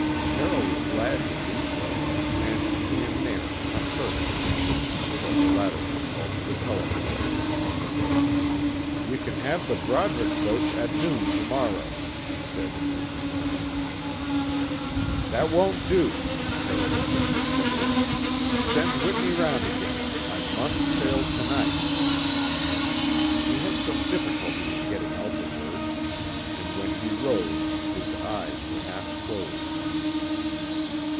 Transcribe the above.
Carroll was glad to do so, and he and Nairn conferred together, until the latter was called to the telephone. "Ye can have the Brodick boat at noon to morrow," he said on his return. "That won't do," Carroll objected heavily. "Send Whitney round again; I must sail to night." He had some difficulty in getting out the words, and when he rose his eyes were half closed.